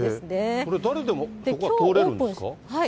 これ、誰でも通れるんですか？